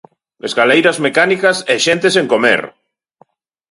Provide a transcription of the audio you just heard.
Escaleiras mecánicas e xente sen comer!